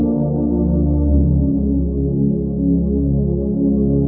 สวัสดีทุกคน